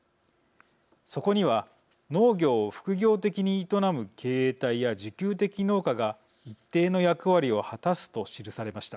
そこには農業を副業的に営む経営体や自給的農家が一定の役割を果たすと記されました。